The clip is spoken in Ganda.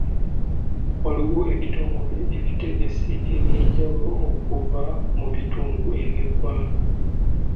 Waliwo ebitongole ebitegesi eby'enjawulo okuva mu bitundu by'eggwanga.